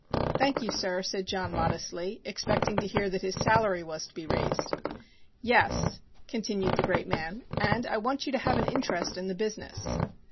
"Thank you, sir," said John modestly, expecting to hear that his salary was to be raised. "Yes," continued the great man. "And I want you to have an interest in the business."